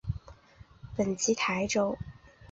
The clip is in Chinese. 本籍台北。